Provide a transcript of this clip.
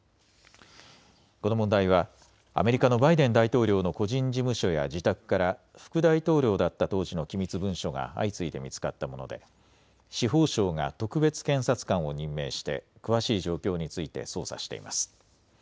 この問題はアメリカのバイデン大統領の個人事務所や自宅から副大統領だった当時の機密文書が相次いで見つかったもので司法省が特別検察官を任命して詳しい状況について捜査しています。